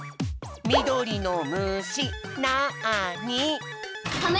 みどりのむしなに？